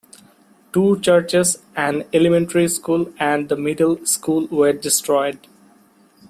Two churches, an elementary school, and the middle school were destroyed.